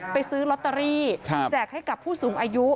ซื้อลอตเตอรี่แจกให้กับผู้สูงอายุ